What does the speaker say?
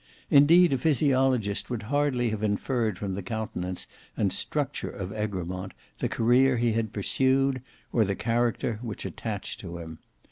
Indeed a physiologist would hardly have inferred from the countenance and structure of Egremont the career he had pursued, or the character which attached to him.